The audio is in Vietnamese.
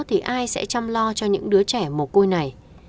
thì ai sẽ chăm lo cho những đứa trẻ mồ côi này